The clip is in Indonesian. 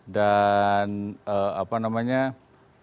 dan apa namanya kondisi keamanan